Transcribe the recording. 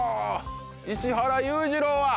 石原裕次郎は。